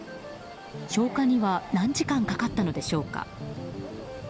消火には何時間かかったのでしょうか。